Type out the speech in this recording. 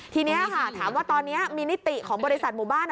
ทีนี้ค่ะถามว่าตอนนี้มีนิติของบริษัทหมู่บ้าน